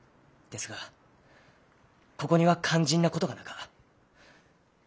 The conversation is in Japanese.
ですがここには肝心なことがなか。